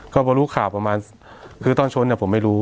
ก็พอรู้ข่าวประมาณคือตอนชนเนี่ยผมไม่รู้